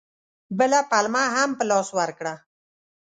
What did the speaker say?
بله پلمه هم په لاس ورکړه.